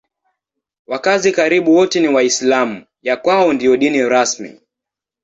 Wakazi karibu wote ni Waislamu; ya kwao ndiyo dini rasmi.